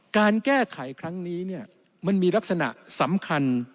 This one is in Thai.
การแก้ไขครั้งนี้จะเป็นเรื่องที่สำคัญอย่างยิ่งครับท่านประธานครับสำคัญอย่างไงครับ